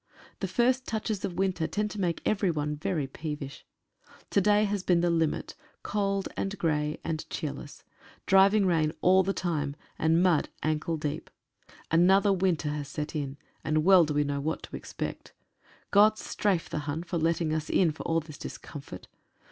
The first touches of winter tend to make one very peevish. To day has been the limit — cold and grey and cheerless — driving rain all the time, and mud ankle deep. Another winter has set in, and well do we know what to expect. Gott strafe the Hun for letting us in for all this discomfort!